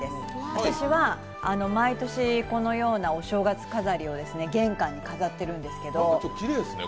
私は毎年このようなお正月飾りを玄関に飾ってるんです。